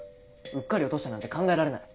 うっかり落としたなんて考えられない。